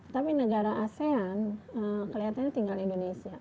tapi negara asean kelihatannya tinggal indonesia